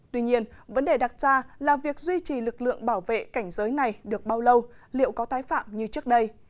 tuy nhiên vấn đề đặt ra là việc duy trì lực lượng bảo vệ cảnh giới này được bao lâu liệu có tái phạm như trước đây